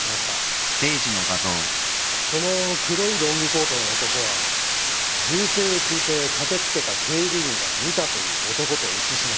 この黒いロングコートの男は銃声を聞いて駆け付けた警備員が見たという男と一致します。